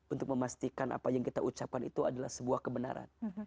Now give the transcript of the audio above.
untuk memastikan apa yang kita ucapkan itu adalah sebuah kebenaran